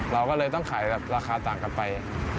เราก็เลยต้องขายแบบราคาต่างกลับไป